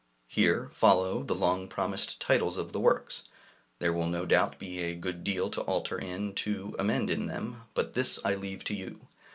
Here follow the long promised titles of the works. There will no doubt be a good deal to alter and to amend in them; but this I leave to you.